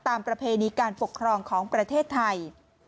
ประเพณีการปกครองของประเทศไทย